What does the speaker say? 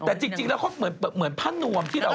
แต่จริงแล้วเขาเหมือนผ้านวมที่เรา